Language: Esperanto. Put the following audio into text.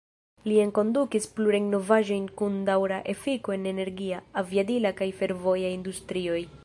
Li enkondukis plurajn novaĵojn kun daŭra efiko en energia, aviadila kaj fervoja industrioj.